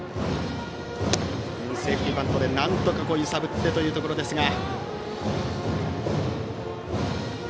セーフティーバントでなんとか揺さぶってというところですが。